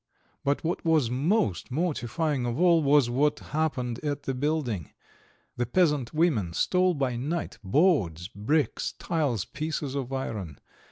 But what was most mortifying of all was what happened at the building; the peasant women stole by night boards, bricks, tiles, pieces of iron.